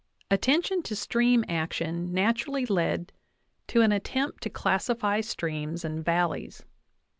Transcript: DAVIS Attention to stream action naturally led to an attempt to classify streams and valleys.